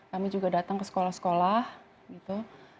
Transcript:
kami juga datang ke sekolah sekolah gitu